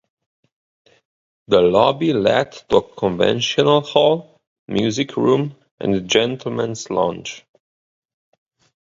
The lobby led to a convention hall, music room and gentlemen's lounge.